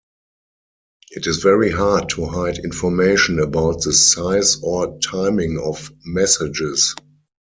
It is very hard to hide information about the size or timing of messages.